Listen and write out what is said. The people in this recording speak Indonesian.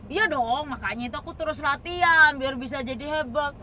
iya dong makanya itu aku terus latihan biar bisa jadi heboh